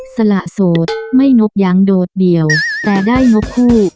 สละโสดไม่นกยั้งโดดเดี่ยวแต่ได้งบคู่